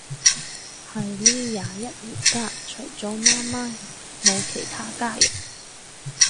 喺呢廿一年間，除咗媽媽冇其他家人